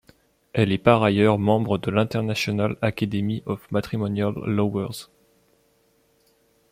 Elle est par ailleurs membre de l'International academy of matrimonial lawyers.